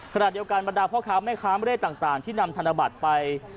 ขณะเดียวกันบรรดาพ่อค้าแม่ค้าไม่ได้ต่างที่นำธนบัตรไป